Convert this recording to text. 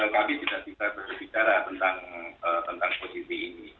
kami tidak bisa berbicara tentang posisi ini